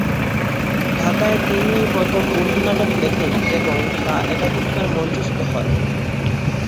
ঢাকায় তিনিই প্রথম উর্দু নাটক লেখেন এবং তা একাধিকবার মঞ্চস্থ হয়।